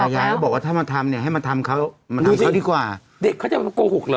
ยายก็บอกว่าถ้ามาทำเนี่ยให้มาทำเขามาทำเขาดีกว่าเด็กเขาจะมาโกหกเหรอ